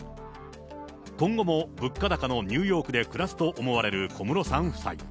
今後も物価高のニューヨークで暮らすと思われる小室さん夫妻。